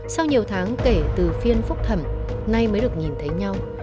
sau nhiều tháng kể từ phiên phúc thẩm nay mới được nhìn thấy nhau